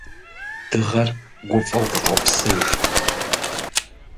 Дыгъэр гуфӀэу къыщӀопсыж.